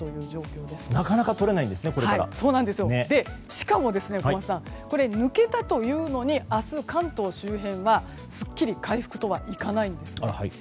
しかも、小松さんこれ抜けたというのに明日、関東周辺はすっきり回復とはいかないんです。